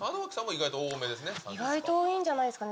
意外と多いんじゃないですかね。